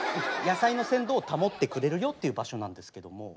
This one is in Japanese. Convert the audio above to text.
野菜の鮮度を保ってくれるよっていう場所なんですけども。